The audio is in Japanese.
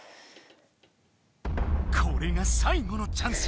これが最後のチャンス。